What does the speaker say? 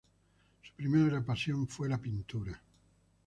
Su primera pasión fue la pintura.